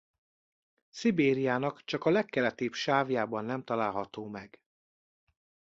Szibériának csak a legkeletibb sávjában nem található meg.